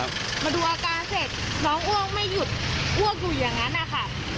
มาดูอาการเสร็จน้องอ้วกไม่หยุดอ้วกอยู่อย่างนั้นนะคะ